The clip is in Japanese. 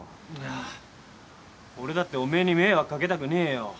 あー俺だっておめえに迷惑かけたくねえよ。